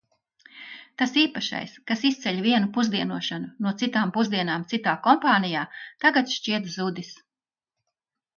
Tas īpašais, kas izceļ vienu pusdienošanu no citām pusdienām citā kompānijā, tagad šķiet zudis.